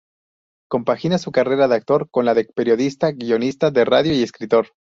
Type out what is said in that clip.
Compagina su carrera de actor con la de periodista, guionista de radio y escritor.